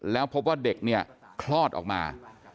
แล้วพบว่าเด็กเนี่ยคลอดออกมา